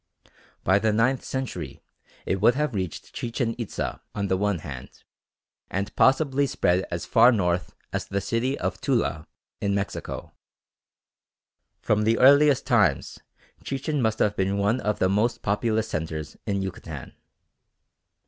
By the ninth century it would have reached Chichen Itza on the one hand and possibly spread as far north as the city of Tula in Mexico. From the earliest times Chichen must have been one of the most populous centres in Yucatan.